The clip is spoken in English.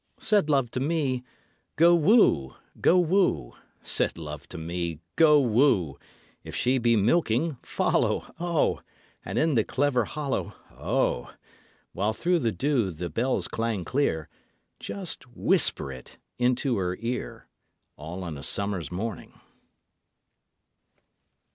Said Love to me: "Go woo, go woo." Said Love to me: "Go woo. If she be milking, follow, O! And in the clover hollow, O! While through the dew the bells clang clear, Just whisper it into her ear, All on a summer's morning."